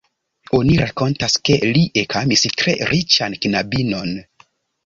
Oni rakontas, ke li ekamis tre riĉan knabinon.